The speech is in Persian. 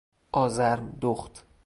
آزرم دخت